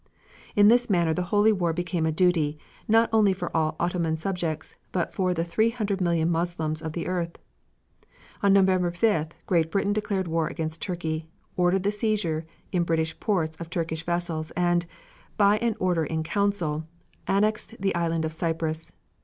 In this manner the holy war became a duty, not only for all Ottoman subjects, but for the three hundred million Moslems of the earth. On November 5th Great Britain declared war against Turkey, ordered the seizure in British ports of Turkish vessels, and, by an order in Council, annexed the Island of Cyprus.